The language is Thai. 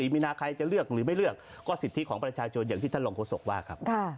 มีนาใครจะเลือกหรือไม่เลือกก็สิทธิของประชาชนอย่างที่ท่านรองโฆษกว่าครับ